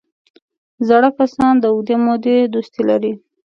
زاړه کسان د اوږدې مودې دوستي لري